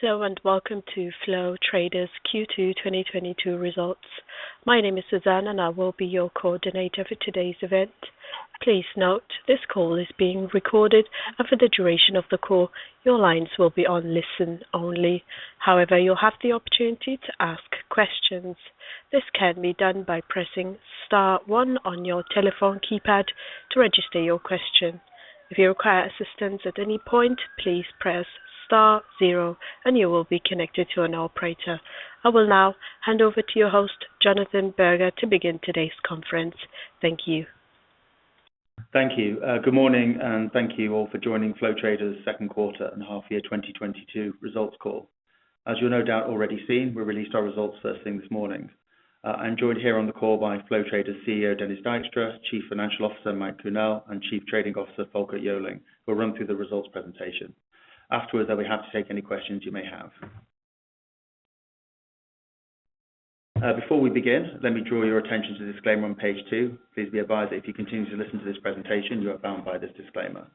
Hello and welcome to Flow Traders Q2 2022 Results. My name is Suzanne, and I will be your coordinator for today's event. Please note this call is being recorded, and for the duration of the call, your lines will be on listen-only. However, you'll have the opportunity to ask questions. This can be done by pressing star one on your telephone keypad to register your question. If you require assistance at any point, please press star zero and you will be connected to an operator. I will now hand over to your host, Jonathan Berger, to begin today's conference. Thank you. Thank you. Good morning, and thank you all for joining Flow Traders' Second Quarter and Half Year 2022 Results Call. As you've no doubt already seen, we released our results first thing this morning. I'm joined here on the call by Flow Traders CEO, Dennis Dijkstra, Chief Financial Officer, Mike Kuehnel, and Chief Trading Officer, Folkert Joling, who will run through the results presentation. Afterwards, we have to take any questions you may have. Before we begin, let me draw your attention to the disclaimer on page two. Please be advised that if you continue to listen to this presentation, you are bound by this disclaimer.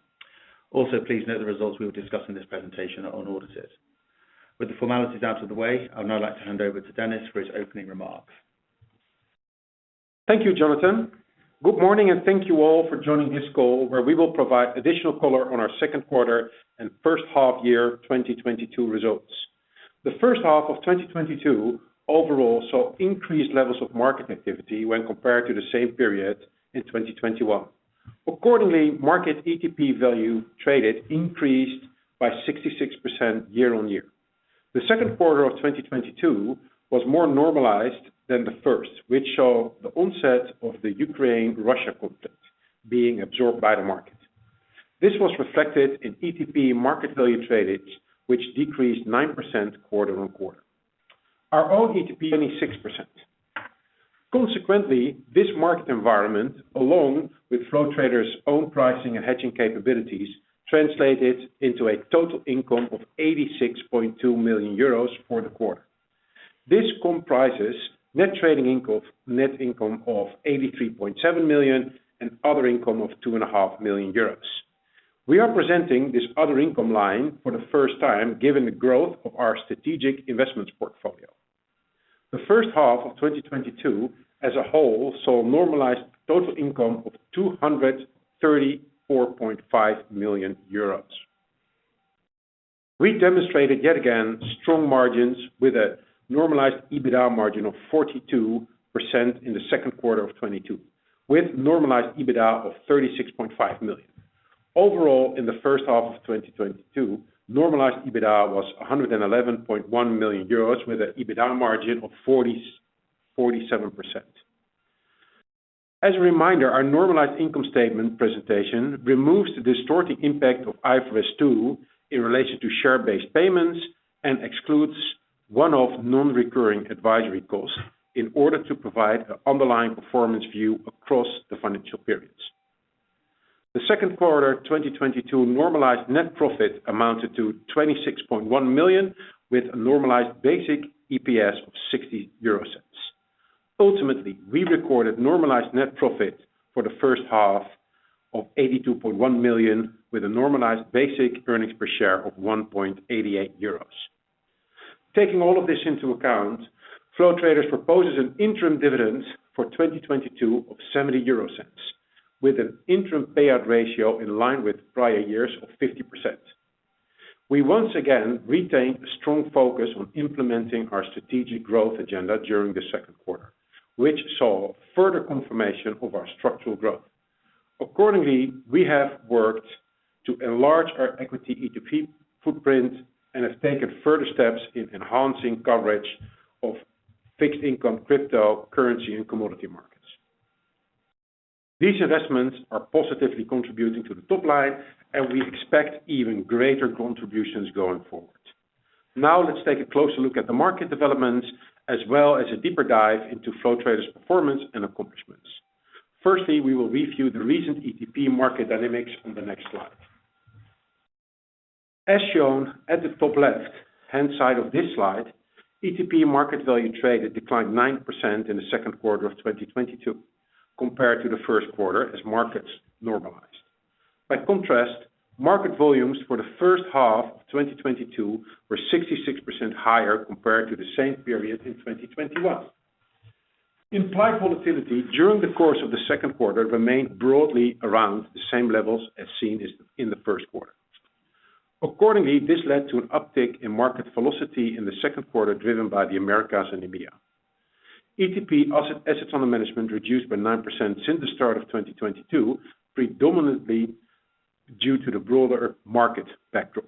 Also, please note the results we will discuss in this presentation are unaudited. With the formalities out of the way, I would now like to hand over to Dennis for his opening remarks. Thank you, Jonathan. Good morning, and thank you all for joining this call where we will provide additional color on our second quarter and first half of 2022 results. The first half of 2022 overall saw increased levels of market activity when compared to the same period in 2021. Accordingly, market ETP value traded increased by 66% year-on-year. The second quarter of 2022 was more normalized than the first, which saw the onset of the Ukraine-Russia conflict being absorbed by the market. This was reflected in ETP market value traded, which decreased 9% quarter-on-quarter. Our own ETP, only 6%. Consequently, this market environment, along with Flow Traders' own pricing and hedging capabilities, translated into a total income of 86.2 million euros for the quarter. This comprises net trading income, net income of 83.7 million and other income of 2.5 million euros. We are presenting this other income line for the first time, given the growth of our strategic investments portfolio. The first half of 2022 as a whole saw normalized total income of 234.5 million euros. We demonstrated yet again strong margins with a normalized EBITDA margin of 42% in the second quarter of 2022, with normalized EBITDA of 36.5 million. Overall, in the first half of 2022, normalized EBITDA was 111.1 million euros, with an EBITDA margin of 47%. As a reminder, our normalized income statement presentation removes the distorting impact of IFRS 2 in relation to share-based payments and excludes one-off non-recurring advisory costs in order to provide an underlying performance view across the financial periods. The second quarter 2022 normalized net profit amounted to 26.1 million, with a normalized basic EPS of 0.60. Ultimately, we recorded normalized net profit for the first half of 82.1 million, with a normalized basic earnings per share of 1.88 euros. Taking all of this into account, Flow Traders proposes an interim dividend for 2022 of 0.70, with an interim payout ratio in line with prior years of 50%. We once again retained a strong focus on implementing our strategic growth agenda during the second quarter, which saw further confirmation of our structural growth. Accordingly, we have worked to enlarge our equity ETP footprint and have taken further steps in enhancing coverage of fixed income, cryptocurrency, and commodity markets. These investments are positively contributing to the top line, and we expect even greater contributions going forward. Now let's take a closer look at the market developments, as well as a deeper dive into Flow Traders' performance and accomplishments. Firstly, we will review the recent ETP market dynamics on the next slide. As shown at the top left-hand side of this slide, ETP market value traded declined 9% in the second quarter of 2022 compared to the first quarter as markets normalized. By contrast, market volumes for the first half of 2022 were 66% higher compared to the same period in 2021. Implied volatility during the course of the second quarter remained broadly around the same levels as seen in the first quarter. Accordingly, this led to an uptick in market velocity in the second quarter, driven by the Americas and EMEA. ETP assets under management reduced by 9% since the start of 2022, predominantly due to the broader market backdrop.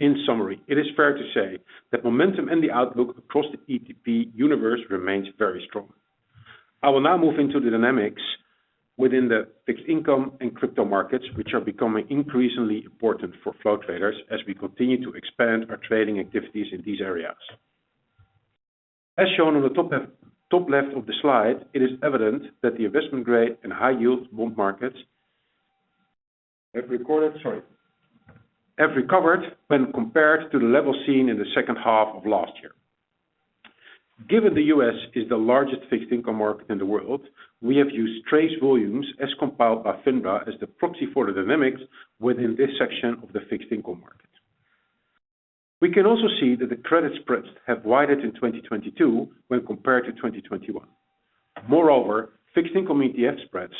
In summary, it is fair to say that momentum and the outlook across the ETP universe remains very strong. I will now move into the dynamics within the fixed income and crypto markets, which are becoming increasingly important for Flow Traders as we continue to expand our trading activities in these areas. As shown on the top left of the slide, it is evident that the investment-grade and high-yield bond markets have recovered when compared to the level seen in the second half of last year. Given the U.S. is the largest fixed income market in the world, we have used TRACE volumes as compiled by FINRA as the proxy for the dynamics within this section of the fixed income market. We can also see that the credit spreads have widened in 2022 when compared to 2021. Moreover, fixed income ETF spreads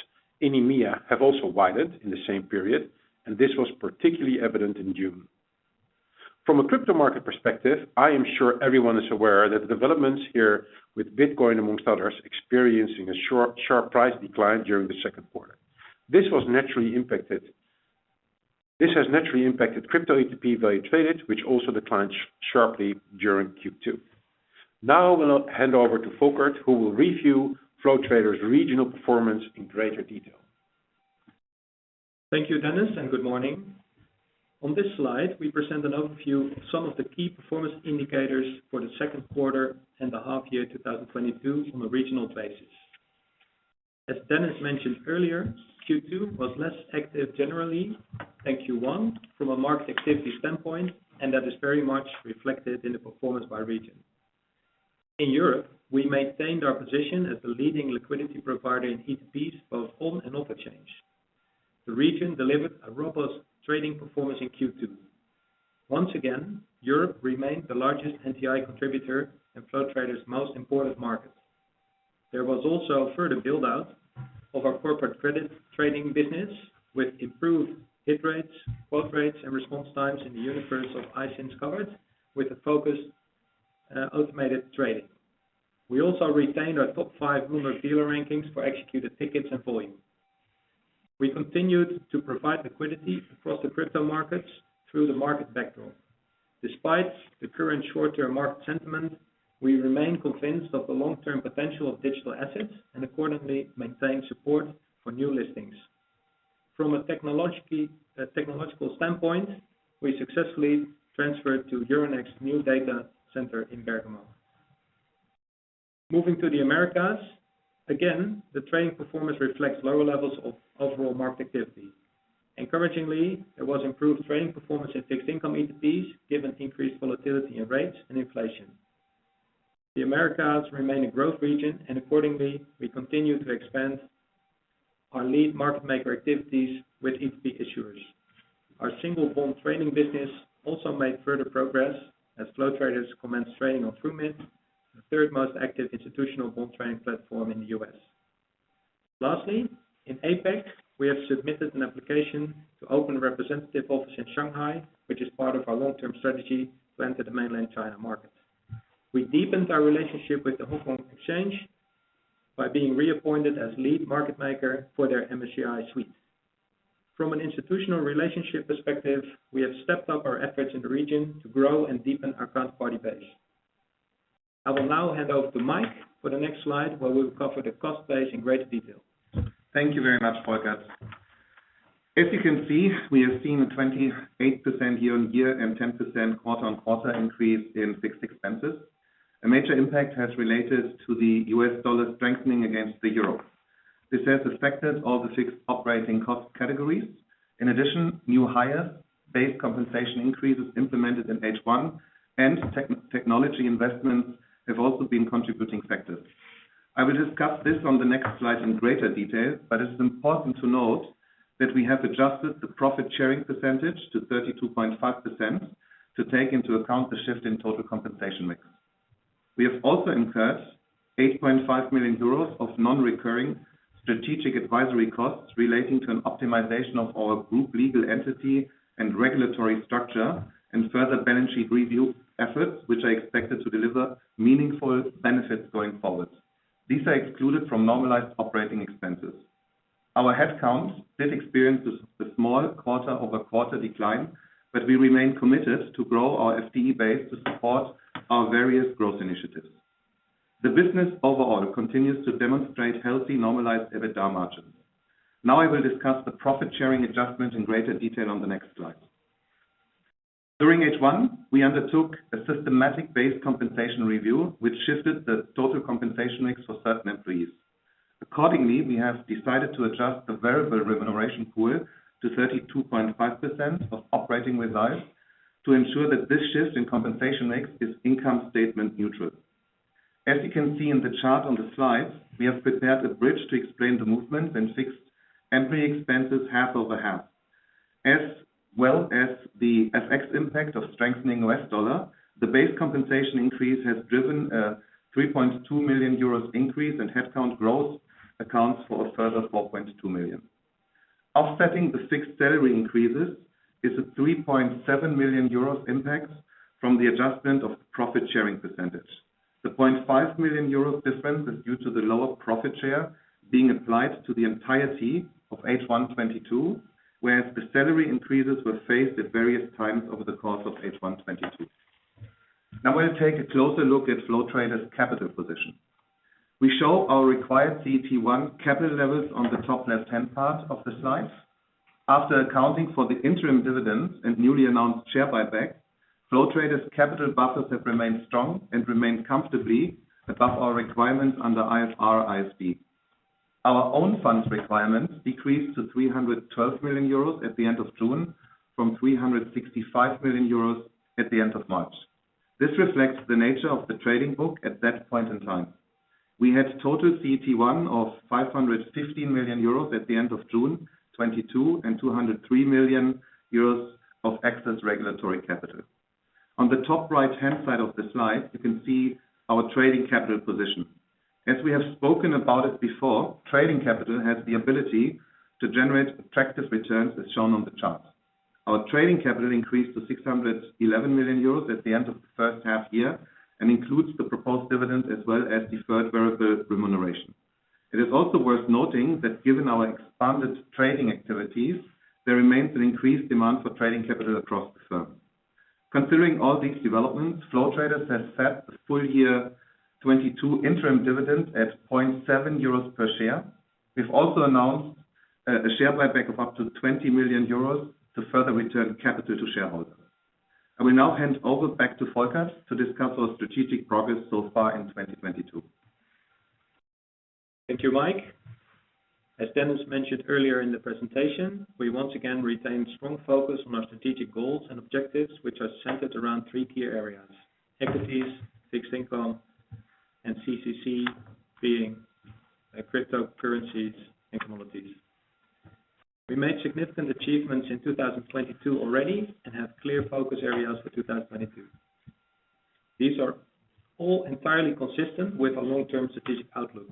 in EMEA have also widened in the same period, and this was particularly evident in June. From a crypto market perspective, I am sure everyone is aware that the developments here with Bitcoin, amongst others, experiencing a sharp price decline during the second quarter. This has naturally impacted crypto ETP value traded, which also declined sharply during Q2. Now I will hand over to Folkert, who will review Flow Traders regional performance in greater detail. Thank you, Dennis, and good morning. On this slide, we present an overview of some of the key performance indicators for the second quarter and the half year 2022 on a regional basis. As Dennis mentioned earlier, Q2 was less active generally than Q1 from a market activity standpoint, and that is very much reflected in the performance by region. In Europe, we maintained our position as the leading liquidity provider in ETPs, both on and off exchange. The region delivered a robust trading performance in Q2. Once again, Europe remained the largest NTI contributor and Flow Traders most important market. There was also a further build-out of our corporate credit trading business with improved hit rates, quote rates, and response times in the universe of ISINs covered with a focused, automated trading. We also retained our top five Bloomberg dealer rankings for executed tickets and volume. We continued to provide liquidity across the crypto markets through the market backdrop. Despite the current short-term market sentiment, we remain convinced of the long-term potential of digital assets and accordingly maintain support for new listings. From a technological standpoint, we successfully transferred to Euronext new data center in Bergamo. Moving to the Americas, again, the trading performance reflects lower levels of overall market activity. Encouragingly, there was improved trading performance in fixed income ETPs, given increased volatility in rates and inflation. The Americas remain a growth region, and accordingly, we continue to expand our lead market maker activities with ETP issuers. Our single bond trading business also made further progress as Flow Traders commenced trading on Trumid, the third most active institutional bond trading platform in the U.S. Lastly, in APAC, we have submitted an application to open a representative office in Shanghai, which is part of our long-term strategy to enter the mainland China market. We deepened our relationship with the Hong Kong Exchanges and Clearing by being reappointed as lead market maker for their MSCI suite. From an institutional relationship perspective, we have stepped up our efforts in the region to grow and deepen our counterparty base. I will now hand over to Mike for the next slide, where we will cover the cost base in greater detail. Thank you very much, Folkert. As you can see, we have seen a 28% year-on-year and 10% quarter-on-quarter increase in fixed expenses. A major impact has related to the US dollar strengthening against the euro. This has affected all the fixed operating cost categories. In addition, new hires, base compensation increases implemented in H1, and tech investments have also been contributing factors. I will discuss this on the next slide in greater detail, but it is important to note that we have adjusted the profit sharing percentage to 32.5% to take into account the shift in total compensation mix. We have also incurred 8.5 million euros of non-recurring strategic advisory costs relating to an optimization of our group legal entity and regulatory structure, and further balance sheet review efforts, which are expected to deliver meaningful benefits going forward. These are excluded from normalized operating expenses. Our headcounts did experience a small quarter-over-quarter decline, but we remain committed to grow our FTE base to support our various growth initiatives. The business overall continues to demonstrate healthy normalized EBITDA margins. Now I will discuss the profit sharing adjustment in greater detail on the next slide. During H1, we undertook a systematic base compensation review, which shifted the total compensation mix for certain employees. Accordingly, we have decided to adjust the variable remuneration pool to 32.5% of operating reserves to ensure that this shift in compensation mix is income statement neutral. As you can see in the chart on the slide, we have prepared a bridge to explain the movement in fixed employee expenses half-over-half. As well as the FX impact of strengthening US dollar, the base compensation increase has driven a 3.2 million euros increase, and headcount growth accounts for a further 4.2 million. Offsetting the fixed salary increases is a 3.7 million euros impact from the adjustment of profit sharing percentage. The 0.5 million euros difference is due to the lower profit share being applied to the entirety of H1 2022, whereas the salary increases were phased at various times over the course of H1 2022. Now we'll take a closer look at Flow Traders' capital position. We show our required CET1 capital levels on the top left-hand part of the slide. After accounting for the interim dividends and newly announced share buyback, Flow Traders' capital buffers have remained strong and remained comfortably above our requirements under IFR/IFD. Our own funds requirements decreased to 312 million euros at the end of June from 365 million euros at the end of March. This reflects the nature of the trading book at that point in time. We had total CET1 of 515 million euros at the end of June 2022 and 203 million euros of excess regulatory capital. On the top right-hand side of the slide, you can see our trading capital position. As we have spoken about it before, trading capital has the ability to generate attractive returns, as shown on the chart. Our trading capital increased to 611 million euros at the end of the first half year and includes the proposed dividend as well as deferred variable remuneration. It is also worth noting that given our expanded trading activities, there remains an increased demand for trading capital across the firm. Considering all these developments, Flow Traders has set the full year 2022 interim dividend at 0.7 euros per share. We've also announced a share buyback of up to 20 million euros to further return capital to shareholders. I will now hand over back to Folkert to discuss our strategic progress so far in 2022. Thank you, Mike. As Dennis mentioned earlier in the presentation, we once again retain strong focus on our strategic goals and objectives, which are centered around three key areas: equities, fixed income, and CCC, being cryptocurrencies and commodities. We made significant achievements in 2022 already and have clear focus areas for 2022. These are all entirely consistent with our long-term strategic outlook.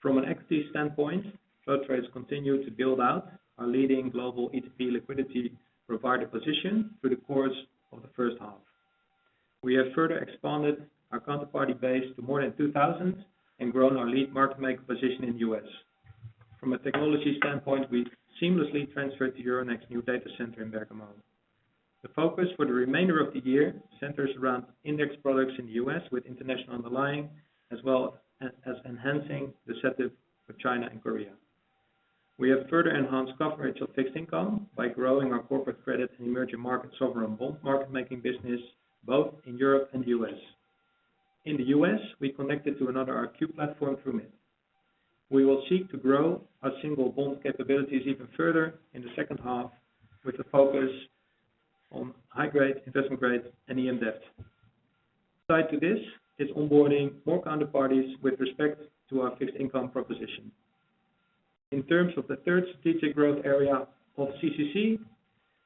From an equity standpoint, Flow Traders continue to build out our leading global ETP liquidity provider position through the course of the first half. We have further expanded our counterparty base to more than 2,000 and grown our lead market maker position in U.S. From a technology standpoint, we seamlessly transferred to Euronext's new data center in Bergamo. The focus for the remainder of the year centers around index products in the U.S. with international underlying as well as enhancing the set of China and Korea. We have further enhanced coverage of fixed income by growing our corporate credit and emerging market sovereign bond market making business both in Europe and the U.S. In the U.S., we connected to another RFQ platform Trumid. We will seek to grow our single bond capabilities even further in the second half with a focus on high grade, investment grade, and EM debt. Alongside this is onboarding more counterparties with respect to our fixed income proposition. In terms of the third strategic growth area of CCC,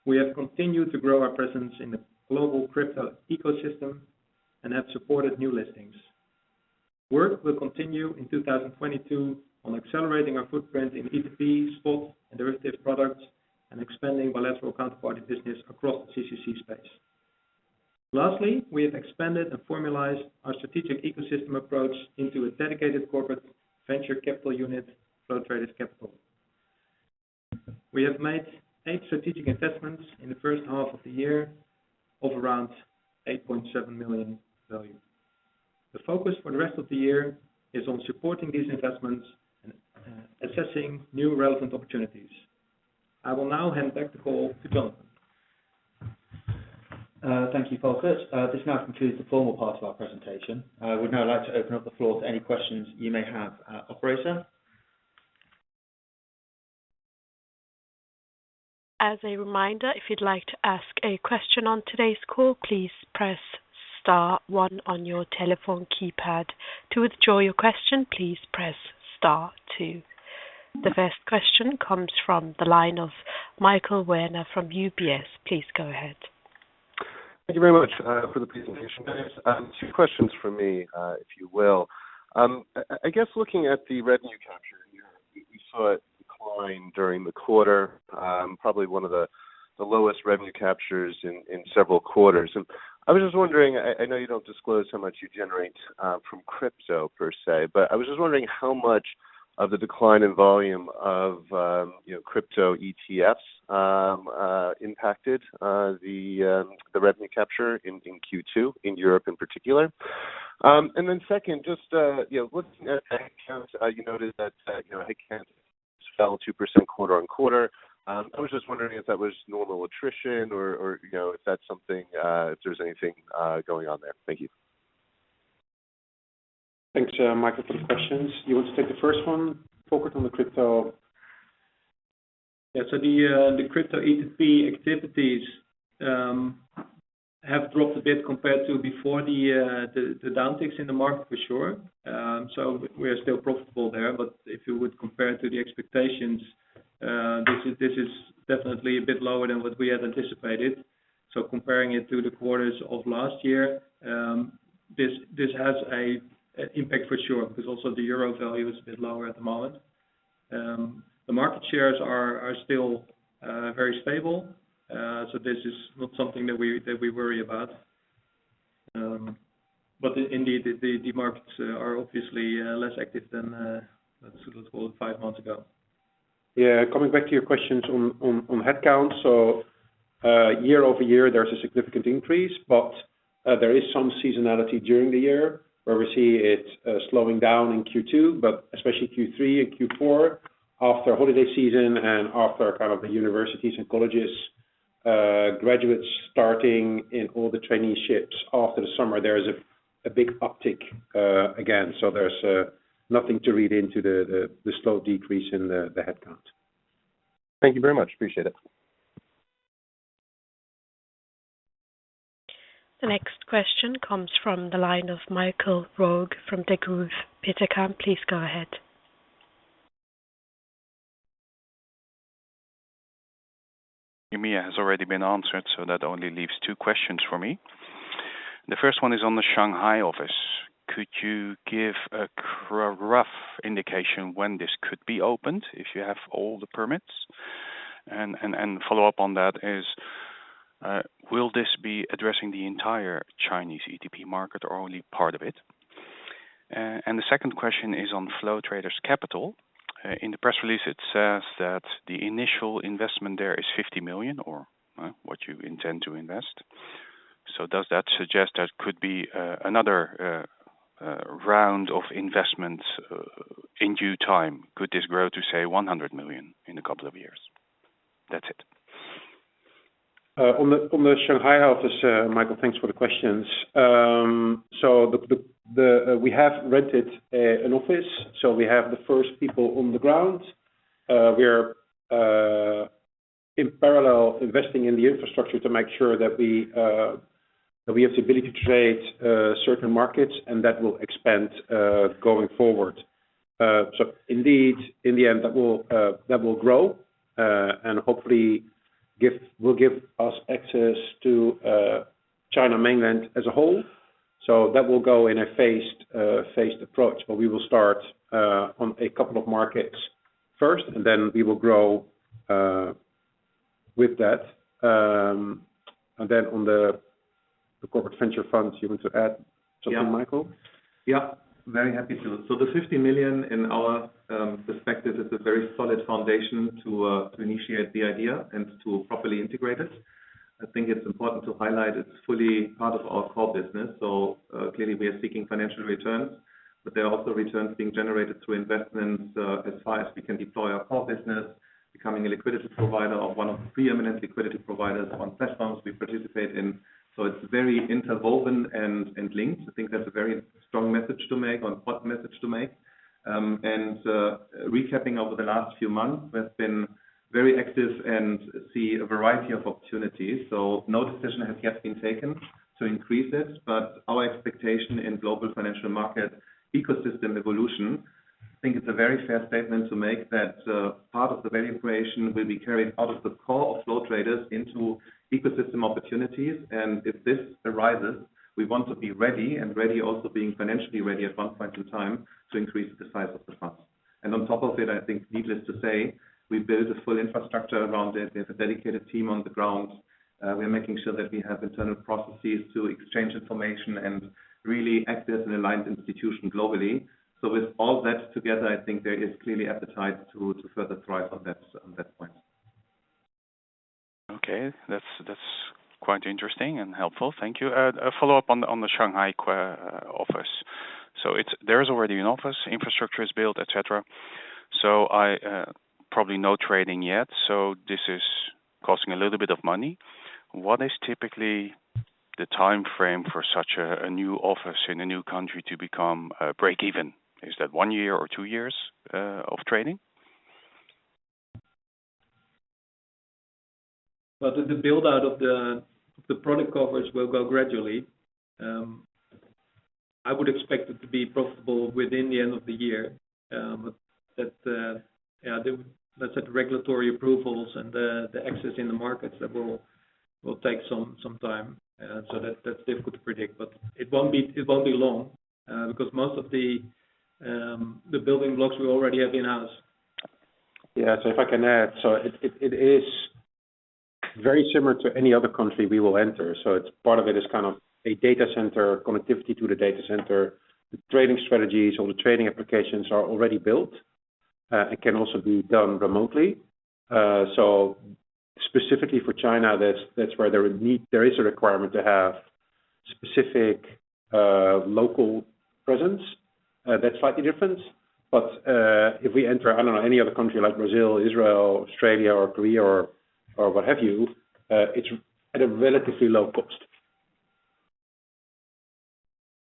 we have continued to grow our presence in the global crypto ecosystem and have supported new listings. Work will continue in 2022 on accelerating our footprint in ETP, spot, and derivatives products, and expanding bilateral counterparty business across the CCC space. Lastly, we have expanded and formalized our strategic ecosystem approach into a dedicated corporate venture capital unit, Flow Traders Capital. We have made eight strategic investments in the first half of the year of around 8.7 million value. The focus for the rest of the year is on supporting these investments and assessing new relevant opportunities. I will now hand back the call to Jonathan. Thank you, Folkert. This now concludes the formal part of our presentation. I would now like to open up the floor to any questions you may have. Operator. As a reminder, if you'd like to ask a question on today's call, please press star one on your telephone keypad. To withdraw your question, please press star two. The first question comes from the line of Michael Werner from UBS. Please go ahead. Thank you very much for the presentation. Two questions from me, if you will. I guess looking at the revenue capture here, we saw it decline during the quarter, probably one of the lowest revenue captures in several quarters. I was just wondering, I know you don't disclose how much you generate from crypto per se, but I was just wondering how much of the decline in volume of, you know, crypto ETFs impacted the revenue capture in Q2, in Europe in particular. Then second, just you know what's headcount, you noted that you know headcount fell 2% quarter-on-quarter. I was just wondering if that was normal attrition or, you know, if that's something, if there's anything going on there. Thank you. Thanks, Michael, for the questions. You want to take the first one, Folkert, on the crypto? Yeah. The crypto ETP activities have dropped a bit compared to before the downturns in the market for sure. We're still profitable there. If you would compare to the expectations, this is definitely a bit lower than what we had anticipated. Comparing it to the quarters of last year, this has an impact for sure because also the euro value is a bit lower at the moment. The market shares are still very stable. This is not something that we worry about. Indeed, the markets are obviously less active than let's call it five months ago. Yeah. Coming back to your questions on headcount. Year-over-year, there's a significant increase, but there is some seasonality during the year where we see it slowing down in Q2, but especially Q3 and Q4 after holiday season and after kind of the universities and college. Graduates starting in all the traineeships after the summer, there is a big uptick again. There's nothing to read into the slow decrease in the headcount. Thank you very much. Appreciate it. The next question comes from the line of Michael Roeg from Degroof Petercam. Please go ahead. EMEA has already been answered, so that only leaves two questions for me. The first one is on the Shanghai office. Could you give a rough indication when this could be opened if you have all the permits? And follow up on that is, will this be addressing the entire Chinese ETP market or only part of it? And the second question is on Flow Traders Capital. In the press release, it says that the initial investment there is 50 million or what you intend to invest. Does that suggest there could be another round of investments in due time? Could this grow to, say, 100 million in a couple of years? That's it. On the Shanghai office, Michael, thanks for the questions. We have rented an office. We have the first people on the ground. We are in parallel investing in the infrastructure to make sure that we have the ability to trade certain markets, and that will expand going forward. Indeed, in the end, that will grow and hopefully will give us access to mainland China as a whole. That will go in a phased approach, where we will start on a couple of markets first, and then we will grow with that. On the corporate venture funds, you want to add something, Michael? Yeah. Yeah. Very happy to. The 50 million in our perspective is a very solid foundation to initiate the idea and to properly integrate it. I think it's important to highlight it's fully part of our core business. Clearly we are seeking financial returns, but there are also returns being generated through investments as far as we can deploy our core business becoming a liquidity provider of one of the preeminent liquidity providers on cash bonds we participate in. It's very interwoven and linked. I think that's a very strong message to make, or important message to make. Recapping over the last few months, we have been very active and see a variety of opportunities. No decision has yet been taken to increase this. Our expectation in global financial market ecosystem evolution, I think it's a very fair statement to make that part of the value creation will be carried out of the core of Flow Traders into ecosystem opportunities. If this arises, we want to be ready, and ready also being financially ready at one point in time to increase the size of the fund. On top of it, I think needless to say, we build a full infrastructure around it. There's a dedicated team on the ground. We are making sure that we have internal processes to exchange information and really act as an aligned institution globally. With all that together, I think there is clearly appetite to further thrive on that, on that front. Okay. That's quite interesting and helpful. Thank you. A follow-up on the Shanghai office. So there is already an office, infrastructure is built, etcetera. So probably no trading yet, so this is costing a little bit of money. What is typically the timeframe for such a new office in a new country to become break even? Is that one year or two years of training? Well, the build-out of the product coverage will go gradually. I would expect it to be profitable within the end of the year. Let's set regulatory approvals and the exit in the markets that will take some time. That's difficult to predict, but it won't be long because most of the building blocks we already have in-house. Yes. If I can add. It is very similar to any other country we will enter. Part of it is kind of a data center connectivity to the data center. Trading strategies or the trading applications are already built. It can also be done remotely. Specifically for China, that's where there is a requirement to have specific local presence. That's slightly different. If we enter, I don't know, any other country like Brazil, Israel, Australia, or Korea, or what have you, it's at a relatively low cost.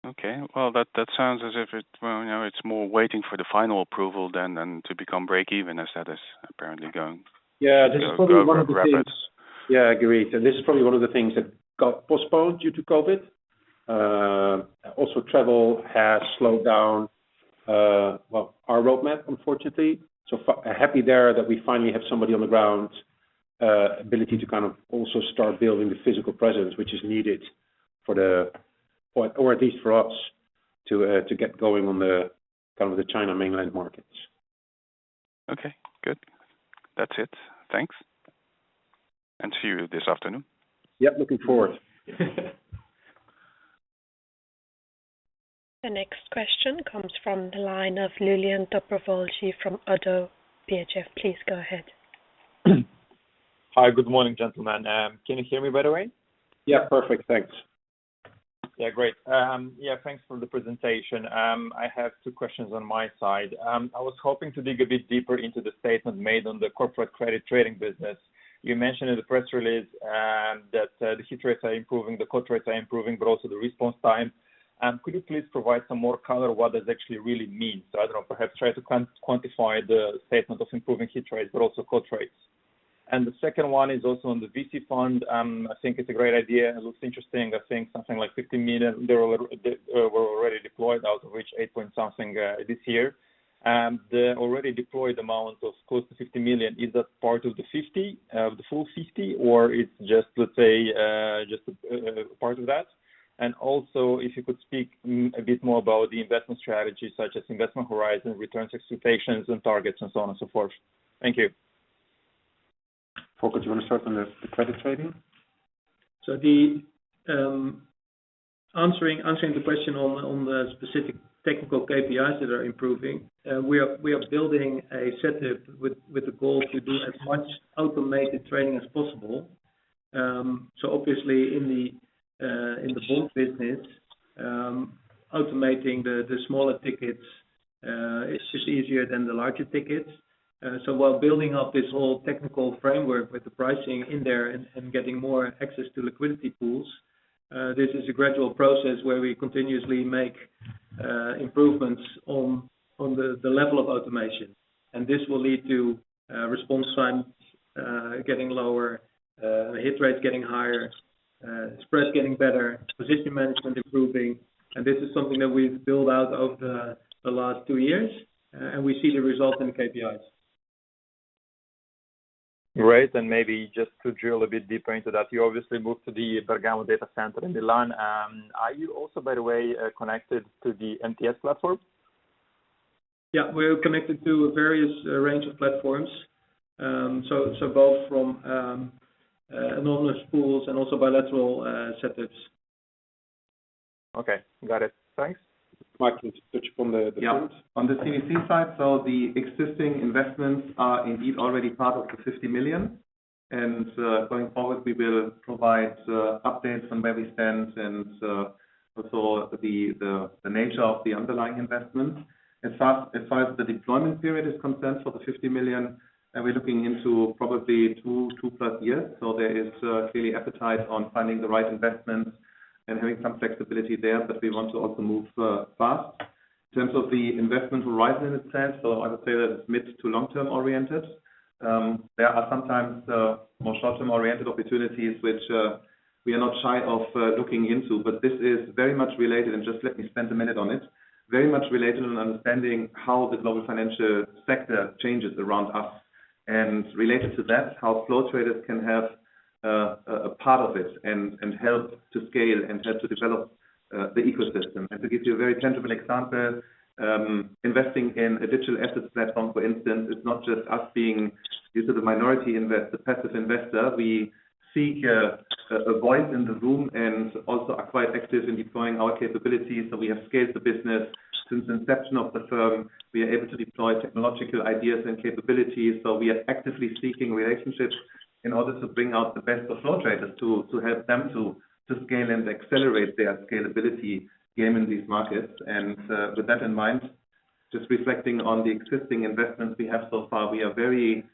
Okay. Well, that sounds as if it's more waiting for the final approval than to become breakeven as that is apparently going. This is probably one of the things. Go grab it. I agree. This is probably one of the things that got postponed due to COVID. Also travel has slowed down, well, our roadmap, unfortunately. Happy there that we finally have somebody on the ground, ability to kinda also start building the physical presence which is needed at least for us to get going on the mainland China markets. Okay, good. That's it. Thanks. See you this afternoon. Yep, looking forward. The next question comes from the line of Lilian Darbellay from ODDO BHF. Please go ahead. Hi. Good morning, gentlemen. Can you hear me by the way? Yeah, perfect. Thanks. Yeah, great. Yeah, thanks for the presentation. I have two questions on my side. I was hoping to dig a bit deeper into the statement made on the corporate credit trading business. You mentioned in the press release that the hit rates are improving, the quote rates are improving, but also the response time. Could you please provide some more color what this actually really means? I don't know, perhaps try to quantify the statement of improving hit rates but also quote rates. The second one is also on the VC fund. I think it's a great idea. It looks interesting. I think something like 50 million there were already deployed, out of which 8.something this year. The already deployed amount was close to 50 million. Is that part of the 50, the full 50, or it's just, let's say, just part of that? Also, if you could speak a bit more about the investment strategy such as investment horizon, returns expectations, and targets, and so on and so forth. Thank you. Folkert, you wanna start on the credit trading? Answering the question on the specific technical KPIs that are improving, we are building a setup with the goal to do as much automated training as possible. Obviously in the bulk business, automating the smaller tickets is just easier than the larger tickets. While building up this whole technical framework with the pricing in there and getting more access to liquidity pools, this is a gradual process where we continuously make improvements on the level of automation. This will lead to response time getting lower, hit rates getting higher, express getting better, position management improving. This is something that we've built out over the last two years, and we see the results in KPIs. Great. Maybe just to drill a bit deeper into that, you obviously moved to the Bergamo data center in Milan. Are you also, by the way, connected to the MTS platform? Yeah. We're connected to various range of platforms. Both from anonymous pools and also bilateral setups. Okay. Got it. Thanks. Mike, can you switch from the front? Yeah. On the CVC side, the existing investments are indeed already part of the 50 million. Going forward, we will provide updates on where we stand and also the nature of the underlying investment. As far as the deployment period is concerned for the 50 million, we're looking into probably two plus years. There is clearly appetite on finding the right investments and having some flexibility there, but we want to also move fast. In terms of the investment horizon itself, I would say that it's mid- to long-term oriented. There are sometimes more short-term oriented opportunities which we are not shy of looking into, but this is very much related, and just let me spend a minute on it. Very much related in understanding how the global financial sector changes around us. Related to that, how Flow Traders can have a part of it and help to scale and help to develop the ecosystem. To give you a very tangible example, investing in a digital assets platform, for instance, is not just us being used to the minority investor, the passive investor. We seek a voice in the room and also acquire access in deploying our capabilities so we have scaled the business. Since inception of the firm, we are able to deploy technological ideas and capabilities. We are actively seeking relationships in order to bring out the best of Flow Traders to help them to scale and accelerate their scalability game in these markets. With that in mind, just reflecting on the existing investments we have so far, we are very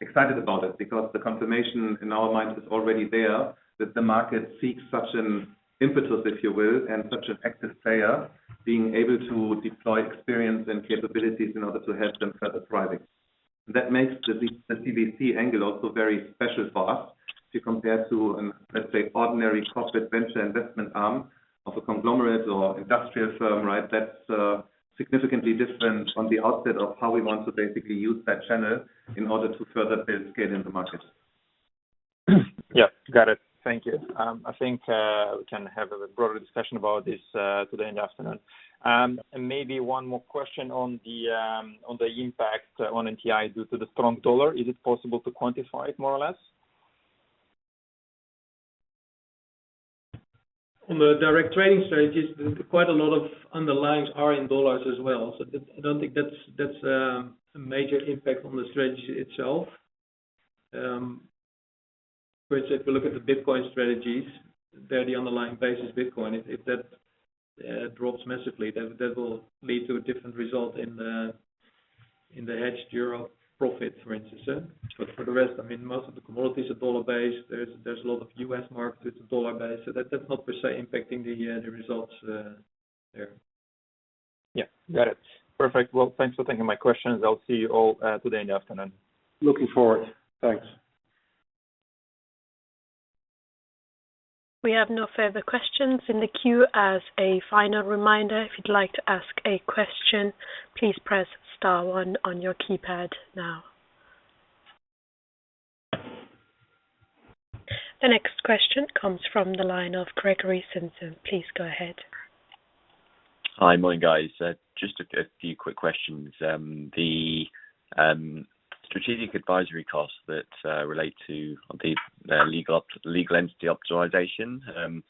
excited about it because the confirmation in our minds is already there, that the market seeks such an impetus, if you will, and such an active player being able to deploy experience and capabilities in order to help them further thriving. That makes the CVC angle also very special for us to compare to, let's say, ordinary corporate venture investment arm of a conglomerate or industrial firm, right? That's significantly different on the outset of how we want to basically use that channel in order to further build scale in the market. Yeah, got it. Thank you. I think we can have a broader discussion about this today in the afternoon. Maybe one more question on the impact on NTI due to the strong dollar. Is it possible to quantify it more or less? On the direct trading strategies, quite a lot of underlyings are in dollars as well. I don't think that's a major impact on the strategy itself. For instance, if you look at the Bitcoin strategies, there the underlying base is Bitcoin. If that drops massively, that will lead to a different result in the hedged euro profit, for instance. For the rest, I mean, most of the commodities are dollar-based. There's a lot of U.S. markets that's dollar-based. That does not per se impacting the results there. Yeah. Got it. Perfect. Well, thanks for taking my questions. I'll see you all today in the afternoon. Looking forward. Thanks. We have no further questions in the queue. As a final reminder, if you'd like to ask a question, please press star one on your keypad now. The next question comes from the line of Gregory Simpson. Please go ahead. Hi. Morning, guys. Just a few quick questions. The strategic advisory costs that relate to I believe the legal entity optimization,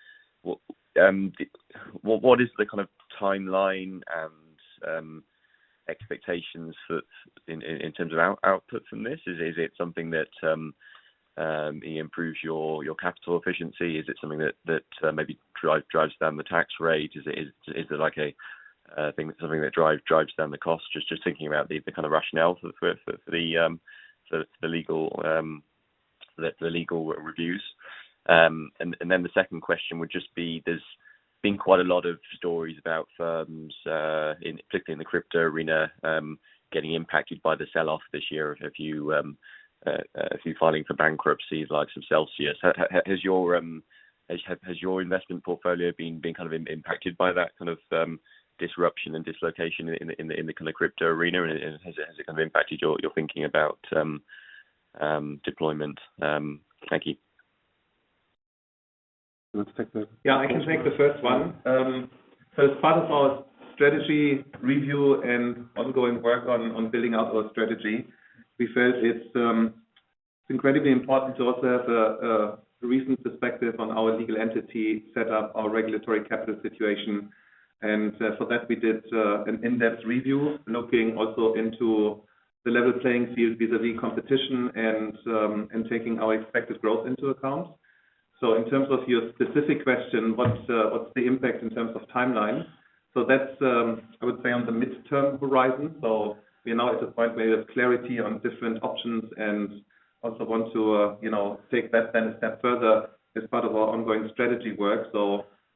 what is the kind of timeline and expectations for in terms of output from this. Is it something that improves your capital efficiency? Is it something that maybe drives down the tax rate? Is it something that drives down the cost? Just thinking about the kind of rationale for the legal reviews. Then the second question would just be, there's been quite a lot of stories about firms in particular in the crypto arena getting impacted by the sell-off this year. Have you filing for bankruptcies like Celsius? Has your investment portfolio been kind of impacted by that kind of disruption and dislocation in the kind of crypto arena? Has it kind of impacted your thinking about deployment? Thank you. Let's take the- Yeah, I can take the first one. As part of our strategy review and ongoing work on building out our strategy, we felt it's incredibly important to also have a recent perspective on our legal entity set up our regulatory capital situation. We did an in-depth review looking also into the level playing field vis-a-vis competition and taking our expected growth into account. In terms of your specific question, what's the impact in terms of timeline? That's, I would say, on the midterm horizon. We are now at a point where there's clarity on different options and also want to you know take that then a step further as part of our ongoing strategy work.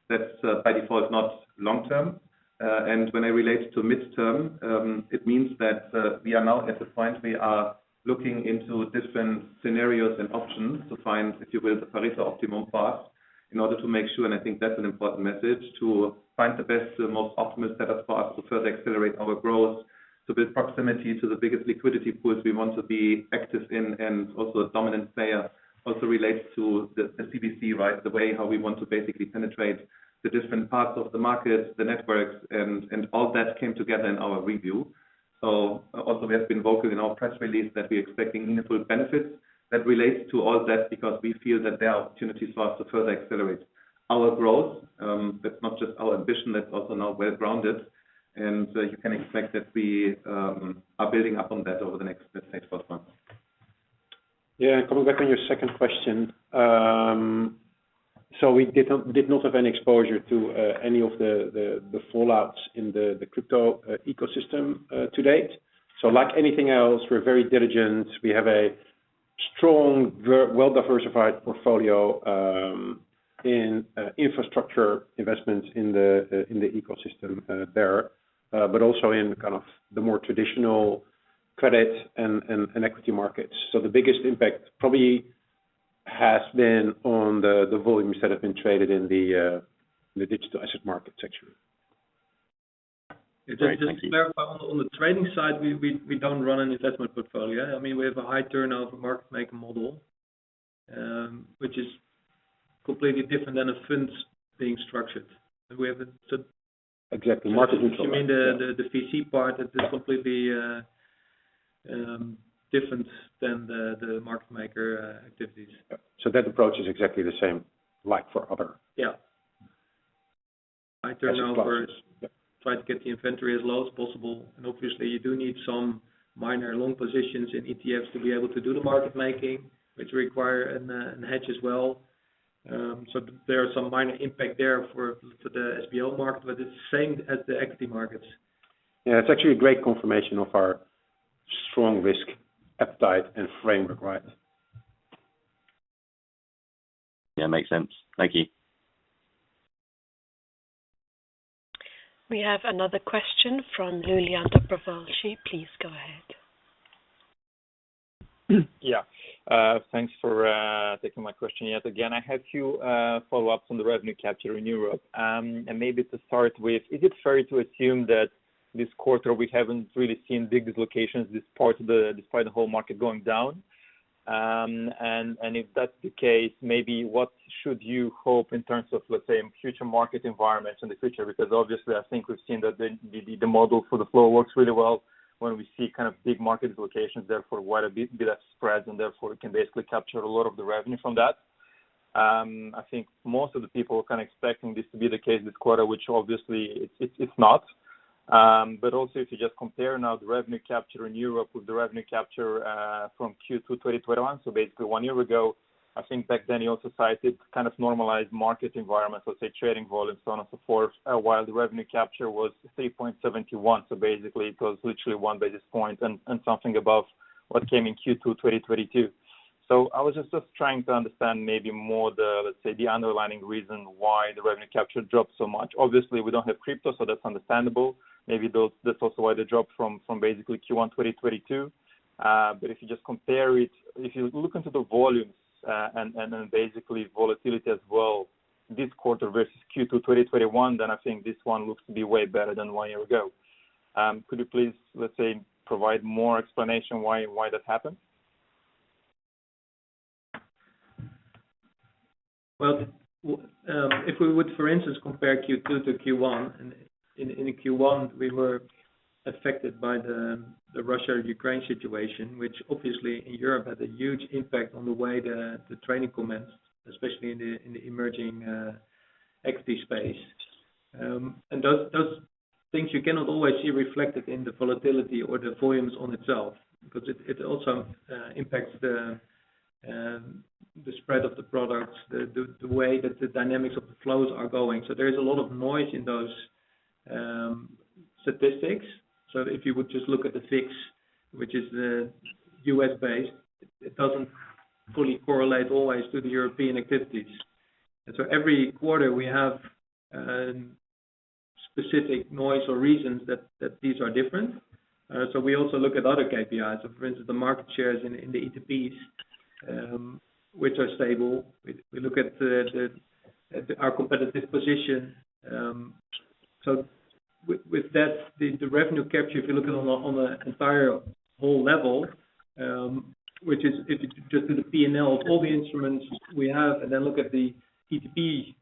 That's by default not long-term. When it relates to midterm, it means that we are now at the point we are looking into different scenarios and options to find, if you will, the Pareto optimum path in order to make sure, and I think that's an important message, to find the best and most optimum setup for us to further accelerate our growth. With proximity to the biggest liquidity pools we want to be active in, and also a dominant player also relates to the CVC, right? The way how we want to basically penetrate the different parts of the market, the networks and all that came together in our review. We have been vocal in our press release that we are expecting meaningful benefits that relates to all that because we feel that there are opportunities for us to further accelerate our growth. That's not just our ambition, that's also now well-grounded, and you can expect that we are building up on that over the next 12 months. Yeah. Coming back on your second question. We did not have any exposure to any of the fallouts in the crypto ecosystem to date. Like anything else, we're very diligent. We have a strong well-diversified portfolio in infrastructure investments in the ecosystem there. But also in kind of the more traditional credit and equity markets. The biggest impact probably has been on the volumes that have been traded in the digital asset market sector. Great. Thank you. Just to clarify, on the trading side, we don't run an investment portfolio. I mean, we have a high turnover market-making model, which is completely different than a fund being structured. Exactly. Markets neutral, yeah. You mean the VC part that is completely different than the market maker activities. Yeah. That approach is exactly the same, like for other- Yeah. High turnovers. Yep. Try to get the inventory as low as possible, and obviously you do need some minor long positions in ETFs to be able to do the market making, which require an hedge as well. There are some minor impact there for the crypto market, but it's same as the equity markets. Yeah. It's actually a great confirmation of our strong risk appetite and framework, right? Yeah. Makes sense. Thank you. We have another question from Lilian Darbellay. Please go ahead. Yeah. Thanks for taking my question yet again. I have few follow-ups on the revenue capture in Europe. Maybe to start with, is it fair to assume that this quarter we haven't really seen big dislocations despite the whole market going down? If that's the case, maybe what should you hope in terms of, let's say, future market environments in the future? Because obviously I think we've seen that the model for the flow works really well when we see kind of big market dislocations, therefore quite a bit of spreads and therefore it can basically capture a lot of the revenue from that. I think most of the people were kind of expecting this to be the case this quarter, which obviously it's not. If you just compare now the revenue capture in Europe with the revenue capture from Q2 2021, so basically one year ago, I think back then you also cited kind of normalized market environment, so say trading volumes, so on and so forth, while the revenue capture was 3.71. So basically it was literally one basis point and something above what came in Q2 2022. So I was just trying to understand maybe more the, let's say, the underlying reason why the revenue capture dropped so much. Obviously, we don't have crypto, so that's understandable. Maybe that's also why the drop from basically Q1 2022. If you look into the volumes and basically volatility as well this quarter versus Q2 2021, then I think this one looks to be way better than one year ago. Could you please, let's say, provide more explanation why that happened? Well, if we would, for instance, compare Q2-Q1, in Q1 we were affected by the Russia-Ukraine situation, which obviously in Europe had a huge impact on the way the trading commenced, especially in the emerging equity space. Those things you cannot always see reflected in the volatility or the volumes on itself, because it also impacts the spread of the products, the way that the dynamics of the flows are going. There is a lot of noise in those statistics. If you would just look at the VIX, which is the U.S.-based, it doesn't fully correlate always to the European activities. Every quarter, we have specific noise or reasons that these are different. We also look at other KPIs. For instance, the market shares in the ETPs, which are stable. We look at our competitive position. With that, the revenue capture, if you look at on an entire whole level, which is if you just do the P&L of all the instruments we have, and then look at the ETP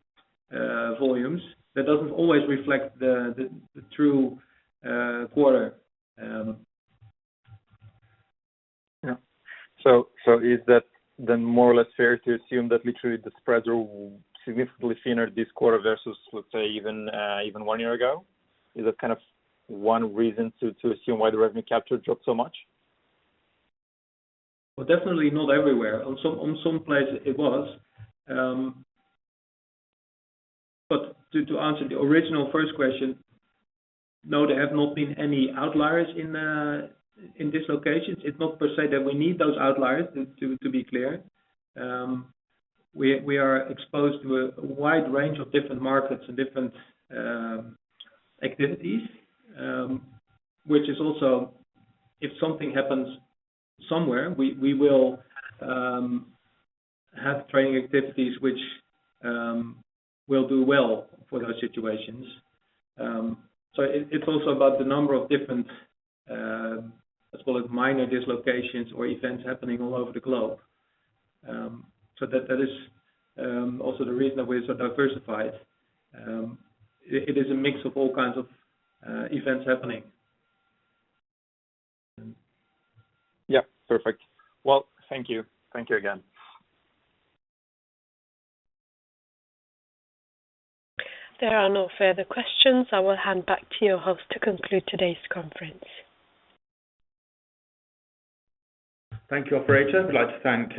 volumes, that doesn't always reflect the true quarter. Yeah. Is that then more or less fair to assume that literally the spreads are significantly thinner this quarter versus, let's say, even one year ago? Is that kind of one reason to assume why the revenue capture dropped so much? Well, definitely not everywhere. In some places it was. To answer the original first question, no, there have not been any outliers in dislocations. It's not per se that we need those outliers, to be clear. We are exposed to a wide range of different markets and different activities, which is also, if something happens somewhere, we will have trading activities which will do well for those situations. It's also about the number of different, I suppose minor dislocations or events happening all over the globe. That is also the reason that we're so diversified. It is a mix of all kinds of events happening. Yeah. Perfect. Well, thank you. Thank you again. There are no further questions. I will hand back to your host to conclude today's conference. Thank you, operator. We'd like to thank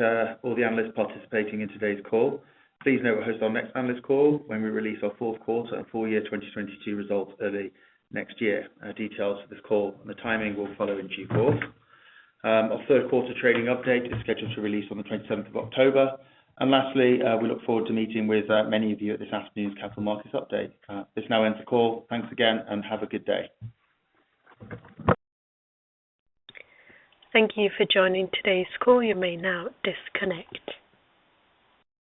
all the analysts participating in today's call. Please note we'll host our next analyst call when we release our fourth quarter and full year 2022 results early next year. Details for this call and the timing will follow in due course. Our third quarter trading update is scheduled to release on the 27th of October. Lastly, we look forward to meeting with many of you at this afternoon's capital markets update. This now ends the call. Thanks again, and have a good day. Thank you for joining today's call. You may now disconnect.